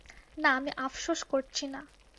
না, আমি আফসোস করছি না।